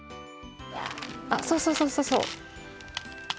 あっそうそうそうそうそう。